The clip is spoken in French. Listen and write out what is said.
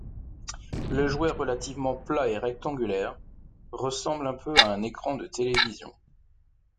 Le jouet relativement plat et rectangulaire, ressemble un peu à un écran de télévision.